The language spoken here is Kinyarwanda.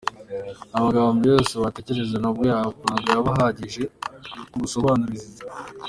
"Amagambo yose watekereza ntabwo yaba ahagije ngo usobanure Zizou.